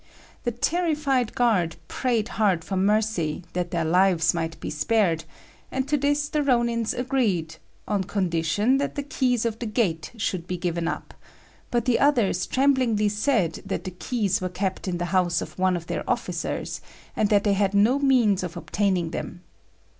The terrified guard prayed hard for mercy, that their lives might be spared; and to this the Rônins agreed on condition that the keys of the gate should be given up; but the others tremblingly said that the keys were kept in the house of one of their officers, and that they had no means of obtaining them.